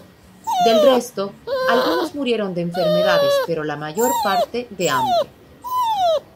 Del resto, algunos murieron de enfermedades pero la mayor parte de hambre.